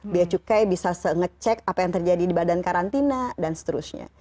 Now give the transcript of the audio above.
biaya cukai bisa ngecek apa yang terjadi di badan karantina dan seterusnya